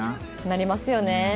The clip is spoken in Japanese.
なりますよね。